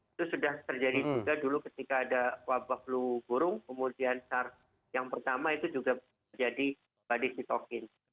itu sudah terjadi juga dulu ketika ada wabah flu burung kemudian sar yang pertama itu juga terjadi badai sitokin